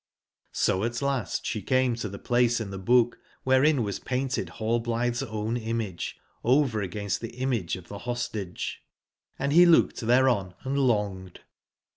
\0 at last sbe came to tbe place in tbe book wberein was painted HaUblitbe's own image 1 over against tbe image of tbe Hostage ; and be looked tbereon & longed.